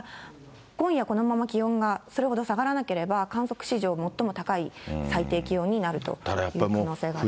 今夜このまま気温がそれほど下がらなければ、観測史上最も高い最低気温になるという可能性があります。